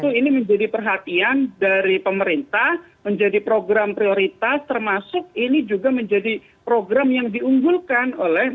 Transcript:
tentu ini menjadi perhatian dari pemerintah menjadi program prioritas termasuk ini juga menjadi program yang diunggulkan oleh